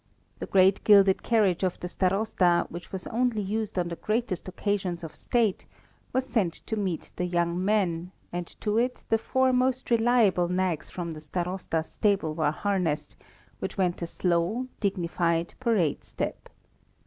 The great gilded carriage of the Starosta, which was only used on the greatest occasions of State, was sent to meet the young men, and to it the four most reliable nags from the Starosta's stables were harnessed, which went at a slow, dignified, parade step.